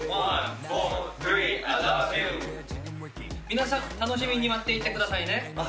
皆さん楽しみに待っていてくださいね。